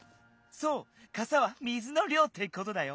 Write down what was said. そうかさは水のりょうってことだよ。